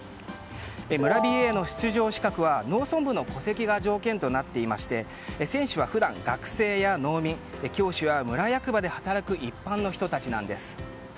村ＢＡの出場資格は農村部の戸籍が条件となっていまして選手は普段、学生や農民教師や村役場で働く一般の人たちなんです。